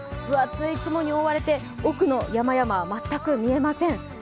分厚い雲に覆われて、奥の山々は全く見えません。